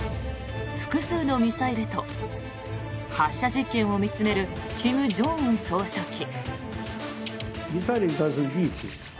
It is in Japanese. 複数のミサイルと発射実験を見つめる金正恩総書記。